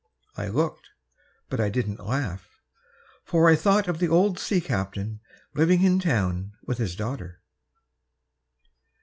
I looked, but I didn't laugh, For I thought of the old sea captain living in town with his daughter.